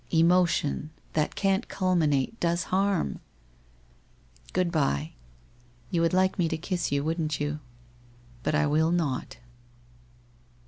Emotion, that can't culminate, does harm. Good bye. You would let me kiss you, wouldn't you? ... But I will not.'